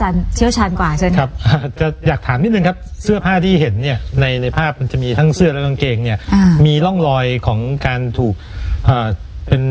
เรียบร้อยให้หมดเลยครับอืมค่ะเพราะหากจากตัวบ้านของมัน